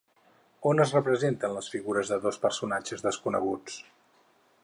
On es representen les figures de dos personatges desconeguts?